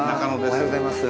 おはようございます。